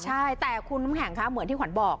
ใช่แต่คุณน้ำแข็งคะเหมือนที่ขวัญบอก